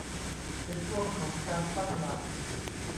เป็นช่วงของการตั้งหลัก